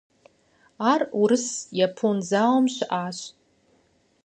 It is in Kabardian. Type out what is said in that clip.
Ар Урыс-Япон зауэм щыӏащ.